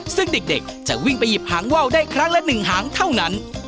ซึ่งเด็กจะวิ่งไปหยิบหางว่าวได้ครั้งละ๑หางเท่านั้น